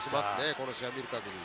この試合を見る限り。